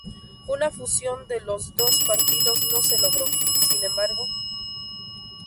Una fusión de los dos partidos no se logró, sin embargo.